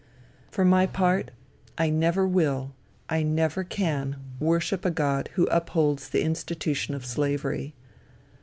For my part, I never will, I never can, worship a God who upholds the institution of slavery.